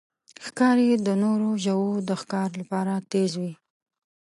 ښکاري د نورو ژوو د ښکار لپاره تیز وي.